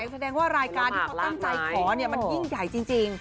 แสดงว่ารายการที่เขาตั้งใจขอมันยิ่งใหญ่จริง